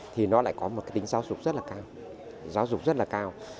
thì nó lại có một cái tính giáo dục rất là cao giáo dục rất là cao